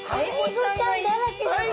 はい。